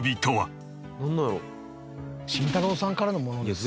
慎太郎さんからのものですよね。